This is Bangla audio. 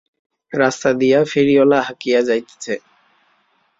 রাস্তা দিয়া ফেরিওয়ালা হাঁকিয়া যাইতেছে।